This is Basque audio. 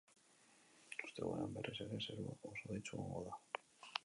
Ostegunean berriz ere zerua oso hodeitsu egongo da.